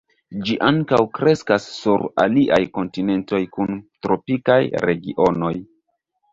Ĝi ankaŭ kreskas sur aliaj kontinentoj kun tropikaj regionoj.